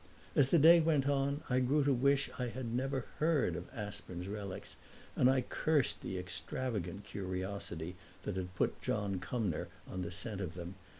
As the day went on I grew to wish that I had never heard of Aspern's relics, and I cursed the extravagant curiosity that had put John Cumnor on the scent of them.